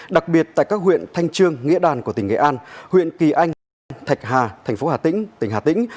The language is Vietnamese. đặc biệt tại các huyện thanh trương nghĩa đàn của tỉnh nghệ an huyện kỳ anh thạch hà thành phố hà tĩnh tỉnh hà tĩnh